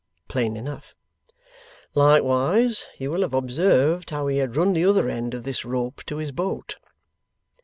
Plain enough. 'Likewise you will have observed how he had run the other end of this rope to his boat.